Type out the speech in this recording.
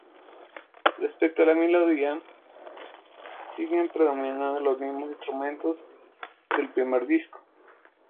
Respecto a la melodía, siguen predominando los mismos instrumentos del primer disco.